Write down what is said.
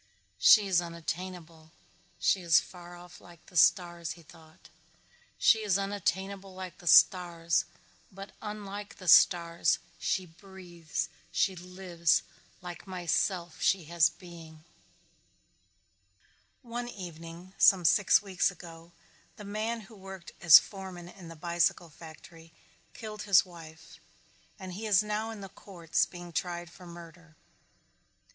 "She is unattainable, she is far off like the stars," he thought. "She is unattainable like the stars but unlike the stars she breathes, she lives, like myself she has being." One evening, some six weeks ago, the man who worked as foreman in the bicycle factory killed his wife and he is now in the courts being tried for murder.